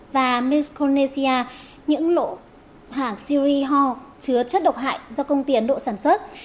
và miscornesia những lộ hàng sirihaw chứa chất độc hại do công ty ấn độ sản xuất